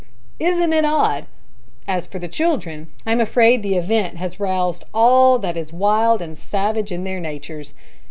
Isn't it odd? As for the children, I'm afraid the event has roused all that is wild and savage in their natures!